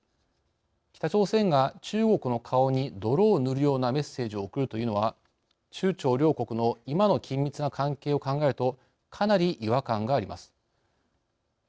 北朝鮮が中国の顔に泥を塗るようなメッセージを送るというのは中朝両国の今の緊密な関係を考えるとかなり違和感があります。